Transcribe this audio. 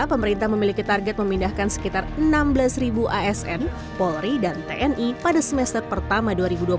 pemerintah memiliki target memindahkan sekitar enam belas asn polri dan tni pada semester pertama dua ribu dua puluh satu